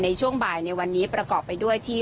ในช่วงบ่ายในวันนี้ประกอบไปด้วยที่